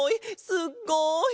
すっごい！